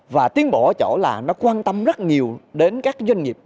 và tiến bộ ở chỗ là nó quan tâm rất nhiều đến các doanh nghiệp